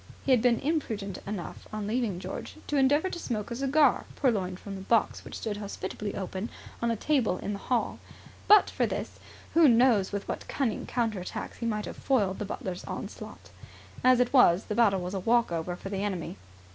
He had been imprudent enough, on leaving George, to endeavour to smoke a cigar, purloined from the box which stood hospitably open on a table in the hall. But for this, who knows with what cunning counter attacks he might have foiled the butler's onslaught? As it was, the battle was a walk over for the enemy.